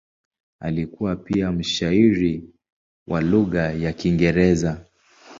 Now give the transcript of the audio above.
Alikuwa pia mshairi wa lugha ya Kiingereza.